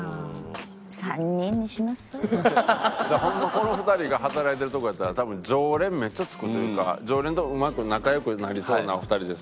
この２人が働いてるとこやったら多分常連めっちゃつくというか常連とうまく仲良くなりそうなお二人ですもんね。